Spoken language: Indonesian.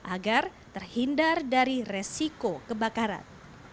agar terhindar dari resiko kebakaran